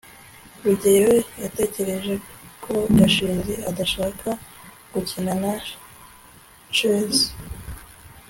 rugeyo yatekereje ko gashinzi adashaka gukina na chess